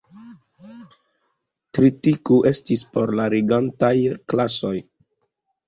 Tritiko estis por la regantaj klasoj.